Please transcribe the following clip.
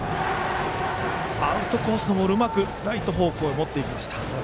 アウトコースのボールうまくライト方向へ持っていきました。